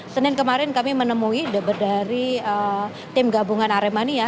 senin kemarin kami menemui dari tim gabungan aremania